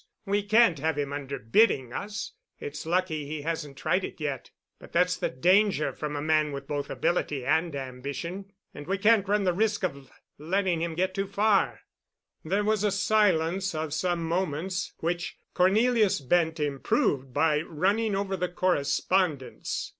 We can't have him underbidding us. It's lucky he hasn't tried it yet. But that's the danger from a man with both ability and ambition. And we can't run the risk of letting him get too far." There was a silence of some moments, which Cornelius Bent improved by running over the correspondence.